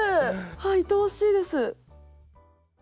いとおしいです。